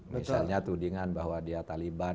misalnya tudingan bahwa dia taliban